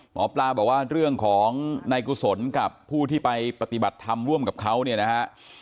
หมอปลาบอกว่าเรื่องของนายกุศลกับผู้ที่ไปปฏิบัติธรรมร่วมกับเขาเนี่ยนะฮะ